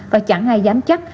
và chẳng ai dám chắc